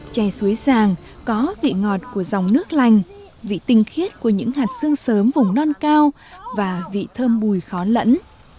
tre suối sàng có vị ngọt của dòng nước lành vị tinh khiết của những hạt xương sớm vùng non cao và vị thơm bùi khó lẫn